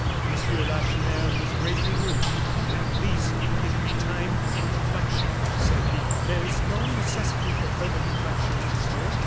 M. Lacheneur was greatly moved. "At least give me time for reflection," said he. "There is no necessity for further reflection, Monsieur."